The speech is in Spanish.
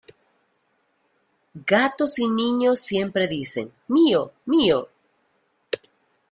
Gatos y niños siempre dicen: mío, mío.